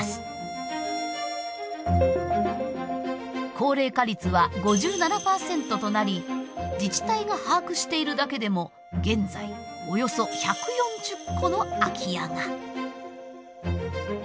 高齢化率は５７％となり自治体が把握しているだけでも現在およそ１４０戸の空き家が。